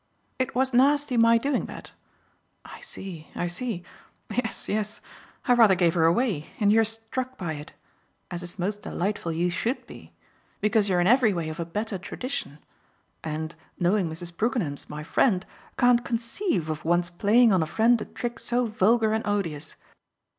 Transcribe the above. "It was nasty my doing that? I see, I see. Yes, yes: I rather gave her away, and you're struck by it as is most delightful you SHOULD be because you're in every way of a better tradition and, knowing Mrs. Brookenham's my friend, can't conceive of one's playing on a friend a trick so vulgar and odious.